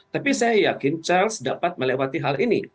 tapi saya yakin charles dapat melewati hal ini